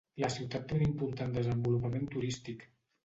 La ciutat té un important desenvolupament turístic.